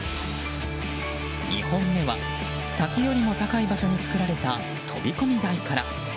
２本目は滝よりも高い場所に作られた飛込台から。